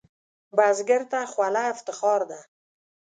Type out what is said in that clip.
بزګر ته خوله افتخار ده